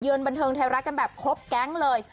บันเทิงไทยรัฐกันแบบครบแก๊งเลย